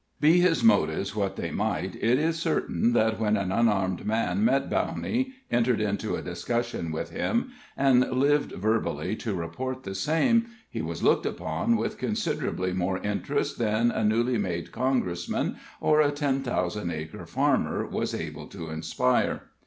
Be his motives what they might, it is certain that when an unarmed man met Bowney, entered into a discussion with him, and lived verbally to report the same, he was looked upon with considerably more interest than a newly made Congressman or a ten thousand acre farmer was able to inspire.